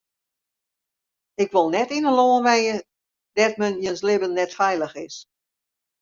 Ik wol net yn in lân wenje dêr't men jins libben net feilich is.